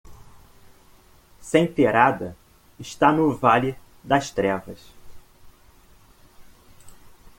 Senterada está no Vale das Trevas.